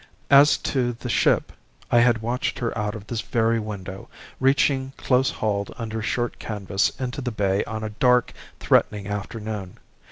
As to the ship, I had watched her out of this very window, reaching close hauled under short canvas into the bay on a dark, threatening afternoon.